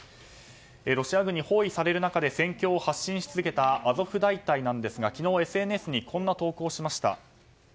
ロシア軍に包囲される中で戦況を発信し続けたアゾフ大隊なんですが昨日、ＳＮＳにこんな投稿をしました。